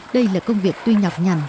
đây là công việc tuy nhọc nhằn